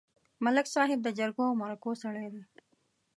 ملک صاحب د جرګو او مرکو سړی دی.